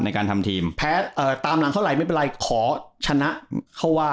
ในการทำทีมแพ้ตามหลังเท่าไหรไม่เป็นไรขอชนะเขาว่า